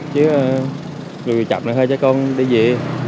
chứ người chậm là thầy cho con đi về